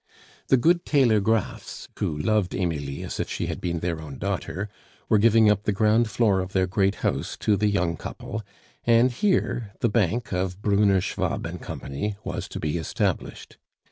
The good tailor Graffs, who loved Emilie as if she had been their own daughter, were giving up the ground floor of their great house to the young couple, and here the bank of Brunner, Schwab and Company was to be established.